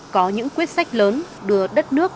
có những quyết sách lớn đưa đất nước